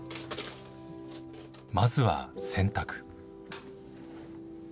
まずは洗濯。